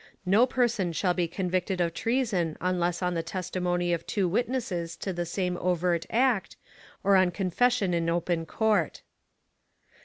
No Person shall be convicted of Treason unless on the Testimony of two Witnesses to the same overt Act, or on Confession in open Court.